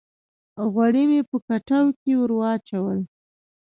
غوړي مې په کټوۍ کښې ور واچول